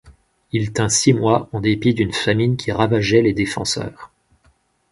Il tint six mois en dépit d’une famine qui ravageait les défenseurs.